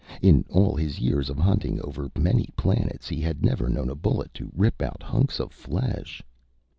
In all his years of hunting, over many planets, he had never known a bullet to rip out hunks of flesh.